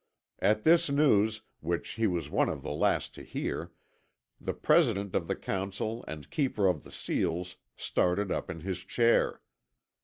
At this news, which he was one of the last to hear, the President of the Council and Keeper of the Seals started up in his chair.